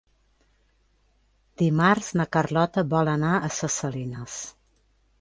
Dimarts na Carlota vol anar a Ses Salines.